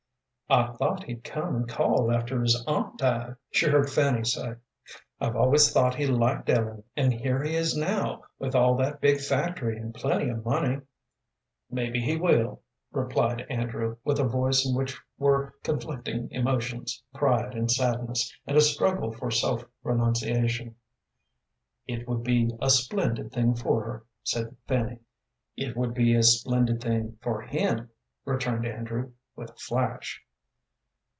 "I thought he'd come and call after his aunt died," she heard Fanny say. "I've always thought he liked Ellen, an' here he is now, with all that big factory, an' plenty of money." "Mebbe he will," replied Andrew, with a voice in which were conflicting emotions, pride and sadness, and a struggle for self renunciation. "It would be a splendid thing for her," said Fanny. "It would be a splendid thing for him," returned Andrew, with a flash.